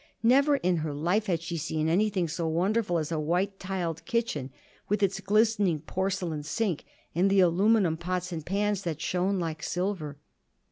Never in her life had she seen anything so wonderful as a white tiled kitchen, with its glistening porcelain sink and the aluminum pots and pans that shone like silver.